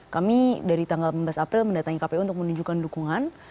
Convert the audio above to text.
kami dari tanggal enam belas april mendatangi kpu untuk menunjukkan dukungan